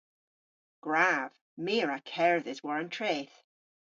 Gwrav! My a wra kerdhes war an treth.